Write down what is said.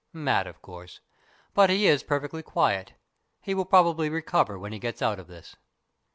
Mad, of course. But he is perfectly quiet. He will probably recover when he gets out of this."